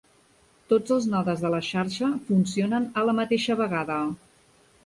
Tots els nodes de la xarxa funcionen a la mateixa vegada.